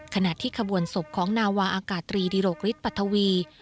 ขณะที่ขบวนศพของนาวาอากาศตรีดิโรคฤทธปัทวี